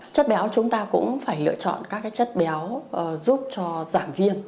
chất béo chúng ta cũng phải lựa chọn các chất béo giúp cho giảm viêm